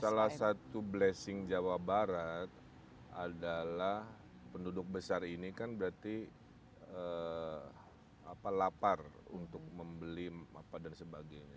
salah satu blessing jawa barat adalah penduduk besar ini kan berarti lapar untuk membeli dan sebagainya